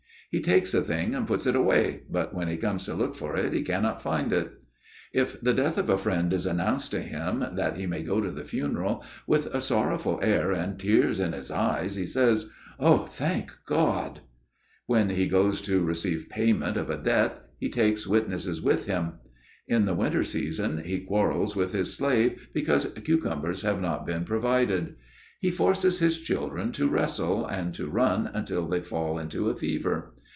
He takes a thing and puts it away, but when he comes to look for it he cannot find it. If the death of a friend is announced to him that he may go to the funeral, with a sorrowful air and tears in his eyes he says: "Thank God!" When he goes to receive payment of a debt, he takes witnesses with him. In the winter season he quarrels with his slave because cucumbers have not been provided. He forces his children to wrestle and to run until they fall into a fever.